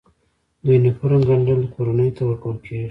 د یونیفورم ګنډل کورنیو ته ورکول کیږي؟